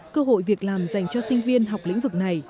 cơ hội việc làm dành cho sinh viên học lĩnh vực này